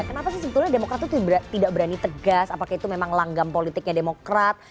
kenapa sih sebetulnya demokrat itu tidak berani tegas apakah itu memang langgam politiknya demokrat